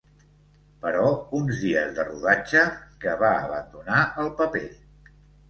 Però uns dies de rodatge, que va abandonar el paper.